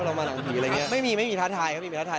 เรามาหลังผีอะไรอย่างเงี้ไม่มีไม่มีท้าทายไม่มีไปท้าทาย